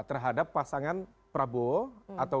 terhadap pasangan prabowo atau gajar prabowo